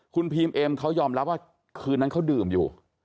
คุณพีมเอ็มเขายอมรับว่าคืนนั้นเขาดื่มอยู่